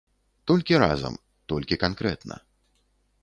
Толькі разам, толькі канкрэтна.